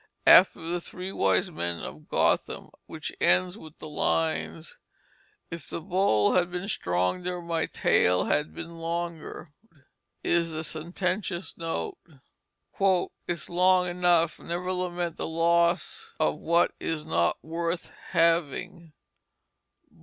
After the "Three Wise Men of Gotham," which ends with the lines "If the bowl had been stronger My tale had been longer," is the sententious note "It's long enough. Never lament the Loss of what is not worth having.